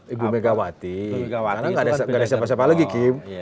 ibu megawati karena nggak ada siapa siapa lagi kim